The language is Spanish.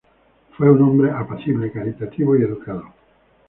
Fue un hombre apacible, caritativo y educado.